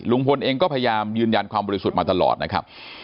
ลุงพลเองก็พยายามยืนยันความบริสุทธิ์มาตลอดนะครับ